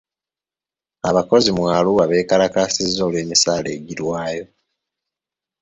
Abakozi mu Arua beekalakaasizza olw'emisaala egirwayo.